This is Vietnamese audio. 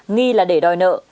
nghi là để đòi nợ